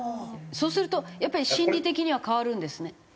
そうするとやっぱり心理的には変わるんですね。